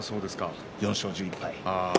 ４勝１１敗。